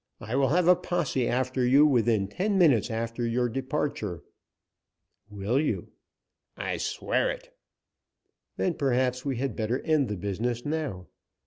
I will have a posse after you within ten minutes after your departure!" "Will you?" "I swear it!" "Then perhaps we had better end the business now.